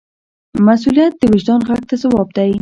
مسؤلیت د وجدان غږ ته ځواب دی.